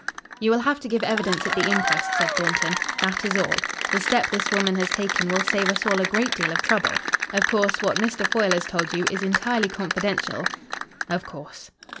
"You will have to give evidence at the inquest," said Thornton. "That is all. The step this woman has taken will save us all a great deal of trouble. Of course, what Mr. Foyle has told you is entirely confidential." "Of course."